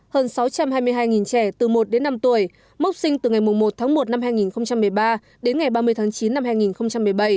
hơn sáu trăm hai mươi hai trẻ từ một đến năm tuổi mốc sinh từ ngày một tháng một năm hai nghìn một mươi ba đến ngày ba mươi tháng chín năm hai nghìn một mươi bảy